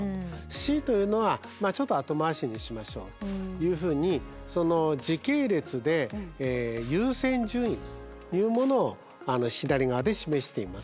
「Ｃ」というのはちょっと後回しにしましょうというふうにその時系列で優先順位というものを左側で示しています。